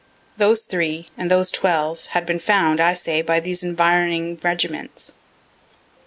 Those three, and those twelve, had been found, I say, by these environing regiments.